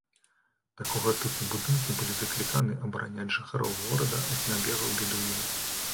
Такога тыпу будынкі былі закліканы абараняць жыхароў горада ад набегаў бедуінаў.